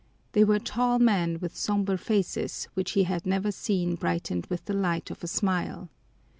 They were tall men with somber faces, which he had never seen brightened with the light of a smile.